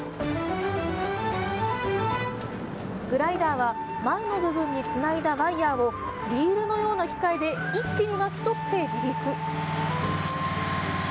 グライダーは前の部分につないだワイヤーをリールのような機械で一気に巻き取って離陸。